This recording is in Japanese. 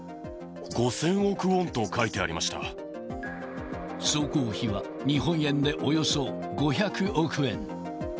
５０００億ウォンと書いてあ総工費は、日本円でおよそ５００億円。